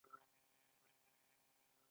هغه یعني زه، زه به تورن شم.